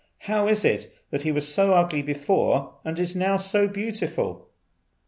how is it he was so ugly before and is now so beautiful?"